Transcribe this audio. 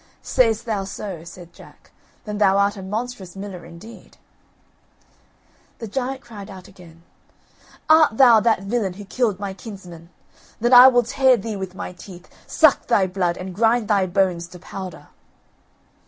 "Say'st thou so," said Jack; "then thou art a monstrous miller indeed." The giant cried out again: "Art thou that villain who killed my kinsmen? Then I will tear thee with my teeth, suck thy blood, and grind thy bones to powder."